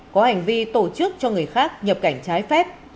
có hành vi tổ chức cho người khác nhập cảnh trái phép